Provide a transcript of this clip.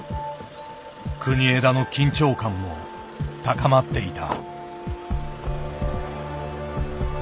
国枝の緊張感も高まっていた。